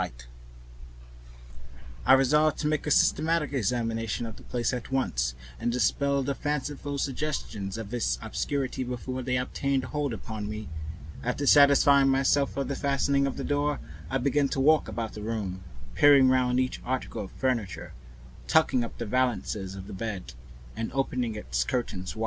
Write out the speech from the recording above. I tried to fight the feeling down. I resolved to make a systematic examination of the place, and so, by leaving nothing to the imagination, dispel the fanciful suggestions of the obscurity before they obtained a hold upon me. After satisfying myself of the fastening of the door, I began to walk round the room, peering round each article of furniture, tucking up the valances of the bed and opening its curtains wide.